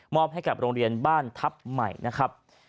อบให้กับโรงเรียนบ้านทัพใหม่นะครับ